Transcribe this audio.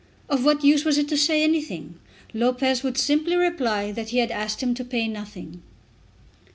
Of what use was it to say anything? Lopez would simply reply that he had asked him to pay nothing.